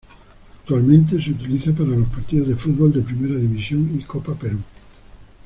Actualmente se utiliza para los partidos de fútbol de Primera División y Copa Perú.